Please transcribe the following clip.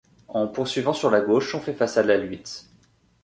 En poursuivant sur la gauche, on fait face à l'Alluitz.